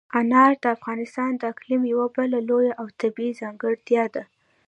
انار د افغانستان د اقلیم یوه بله لویه او طبیعي ځانګړتیا ده.